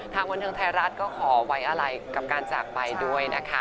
บันเทิงไทยรัฐก็ขอไว้อะไรกับการจากไปด้วยนะคะ